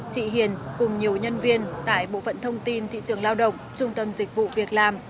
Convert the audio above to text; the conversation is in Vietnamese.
chị hiền cùng nhiều nhân viên tại bộ phận thông tin thị trường lao động trung tâm dịch vụ việc làm